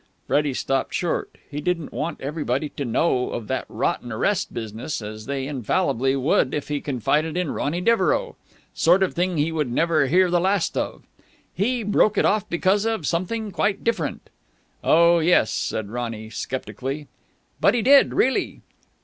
Freddie stopped short. He didn't want everybody to know of that rotten arrest business, as they infallibly would if he confided in Ronny Devereux. Sort of thing he would never hear the last of. "He broke it off because of something quite different." "Oh, yes!" said Ronny sceptically. "But he did, really!"